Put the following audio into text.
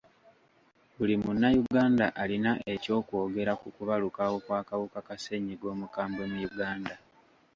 Buli munnayuganda alina ekyokwogera ku kubalukawo kw'akawuka ka ssenyiga omukambwe mu Uganda.